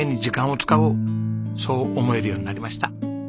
そう思えるようになりました。